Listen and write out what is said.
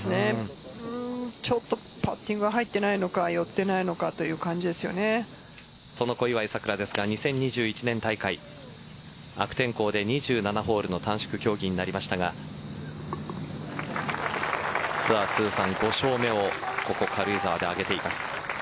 ちょっと、パッティングが入っていないのか寄っていないのかというその小祝さくらですか２０２１年大会悪天候で２７ホールの短縮競技になりましたがツアー通算５勝目をここ、軽井沢で挙げています。